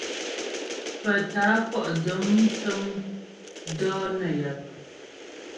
Pə tá'a kwɔ' dəm tə̂m dɔ̌ nə́ yap.